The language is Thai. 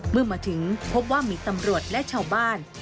เมื่อมาถึงพบว่ามีตำรวจและชาวบ้าน